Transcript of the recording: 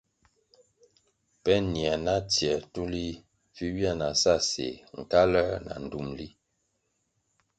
Pe nier na tsier tulih vi ywia na sa séh, nkaluer na ndtumli.